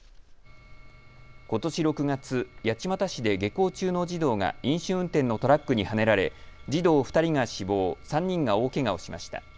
ことし６月、八街市で下校中の児童が飲酒運転のトラックにはねられ児童２人が死亡３人が大けがをしました。